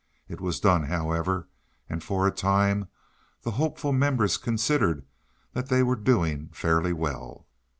It was done, however, and for a time the hopeful members considered that they were doing fairly well.